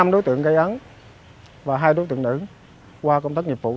năm đối tượng gây ấn và hai đối tượng nữ qua công tác nhiệm vụ